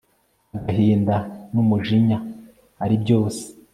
agahinda numjinya ari byose